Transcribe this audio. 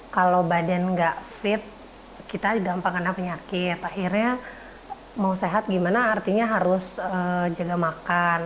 kalau badan nggak fit kita gampang kena penyakit akhirnya mau sehat gimana artinya harus jaga makan